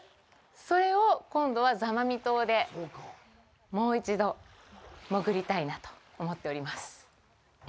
それを今度は座間味島で、もう一度潜りたいなと思っております。